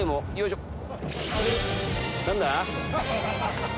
何だ？